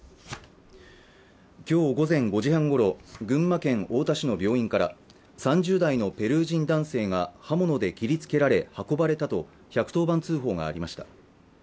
きょう午前５時半ごろ群馬県太田市の病院から３０代のペルー人男性が刃物で切りつけられ運ばれたと１１０番通報がありました